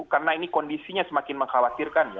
karena ini kondisinya semakin mengkhawatirkan